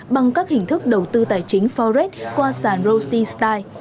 bằng các hình thức đầu tư tài chính forex qua sản rosti style